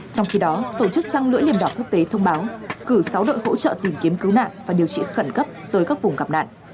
trong khi đó tổ chức trăng lưỡi liềm đỏ quốc tế thông báo cử sáu đội hỗ trợ tìm kiếm cứu nạn và điều trị khẩn cấp tới các vùng gặp nạn